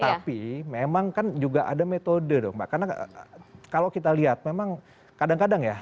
tapi memang kan juga ada metode dong mbak karena kalau kita lihat memang kadang kadang ya